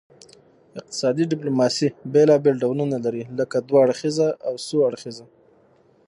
اقتصادي ډیپلوماسي بیلابیل ډولونه لري لکه دوه اړخیزه او څو اړخیزه